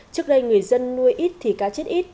trước đây người dân nuôi ít thì cá chết ít